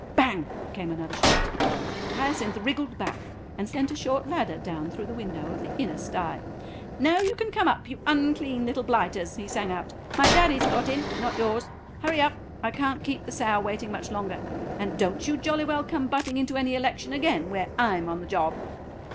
"Bang," came another shot. Hyacinth wriggled back, and sent a short ladder down through the window of the inner stye. "Now you can come up, you unclean little blighters," he sang out; "my daddy's got in, not yours. Hurry up, I can't keep the sow waiting much longer. And don't you jolly well come butting into any election again where I'm on the job."